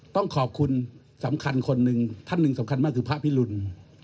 ต้องขอบคุณสำคัญคนหนึ่งท่านหนึ่งสำคัญมากคือพระพิรุณ